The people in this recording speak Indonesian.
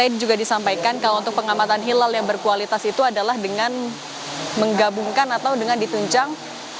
tadi juga disampaikan kalau untuk pengamatan hilal yang berkualitas itu adalah dengan menggabungkan atau dengan ditunjang